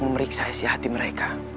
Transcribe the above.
memeriksa isi hati mereka